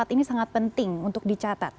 ini sangat penting untuk dicatat